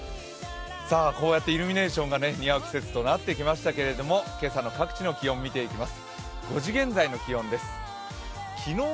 こうやってイルミネーションが似合う季節となってきましたけど今朝の各地の気温見ていきます。